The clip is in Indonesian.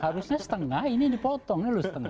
harusnya setengah ini dipotong